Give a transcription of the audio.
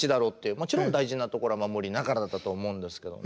もちろん大事なところは守りながらだと思うんですけどね。